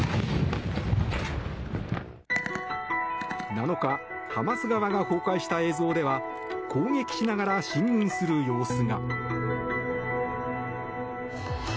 ７日、ハマス側が公開した映像では攻撃しながら進軍する様子が。